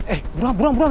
eh burang burang